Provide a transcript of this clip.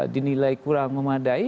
dinilai kurang memadai